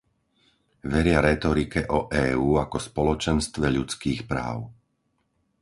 Veria rétorike o EÚ ako spoločenstve ľudských práv.